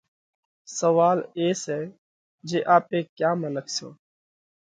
سوئال اي سئہ جي آپي ڪيا منک سون؟